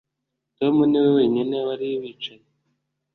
Tom niwe wenyine wari wicaye